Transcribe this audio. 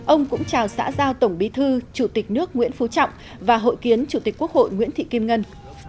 ông cũng chào xã giao tổng bí thư chủ tịch nước nguyễn phú trọng và hội kiến chủ tịch quốc hội nguyễn thị kim ngân